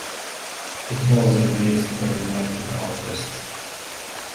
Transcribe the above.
It was released by United Artists.